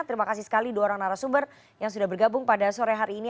terima kasih sekali dua orang narasumber yang sudah bergabung pada sore hari ini